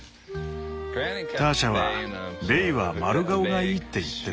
ターシャは「ベイは丸顔がいい」って言ってた。